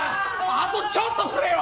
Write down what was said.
あとちょっと振れよ！